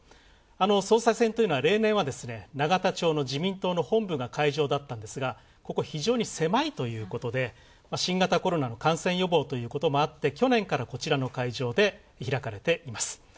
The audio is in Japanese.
総裁選というのは例年は永田町の自民党の本部が会場だったんですが非常に狭いということで、新型コロナの感染予防ということもあって去年からこちらの会場で開かれています。